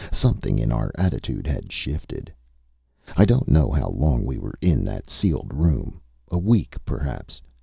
Something in our attitude had shifted. I don't know how long we were in that sealed room. A week, perhaps.